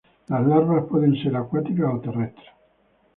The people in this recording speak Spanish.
Las larvas pueden ser acuáticas o terrestres.